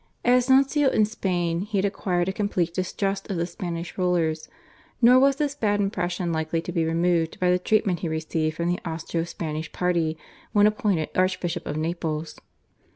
As nuncio in Spain he had acquired a complete distrust of the Spanish rulers, nor was this bad impression likely to be removed by the treatment he received from the Austro Spanish party when appointed Archbishop of Naples.